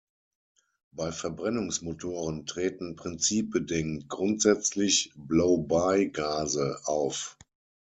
Bei Verbrennungsmotoren treten prinzipbedingt grundsätzlich Blow-By-Gase auf.